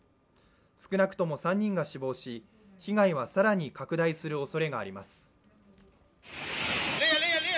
少なくとも３人が死亡し、被害は更に拡大するおそれがあります。